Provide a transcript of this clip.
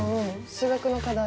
数学の課題。